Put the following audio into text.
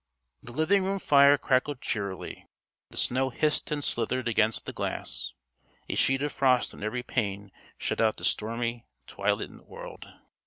The living room fire crackled cheerily. The snow hissed and slithered against the glass. A sheet of frost on every pane shut out the stormy twilit world.